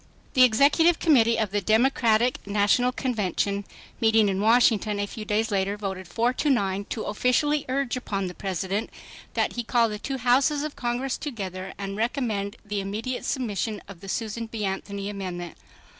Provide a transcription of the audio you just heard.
The Executive Committee of the Democratic National Committee, meeting in Washington a few days later, voted 4 to 9. to "officially urge upon the President that he call the two Houses of Congress together and recommend the immediate submission of the Susan B. Anthony amendment."